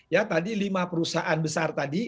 ya tadi lima perusahaan besar tadi